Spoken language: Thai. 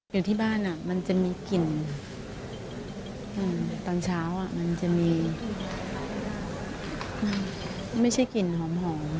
อยู่ที่บ้านมันจะมีกลิ่นตอนเช้ามันจะมีไม่ใช่กลิ่นหอม